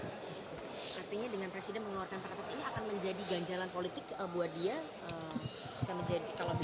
artinya dengan presiden mengeluarkan perpres ini akan menjadi ganjalan politik buat dia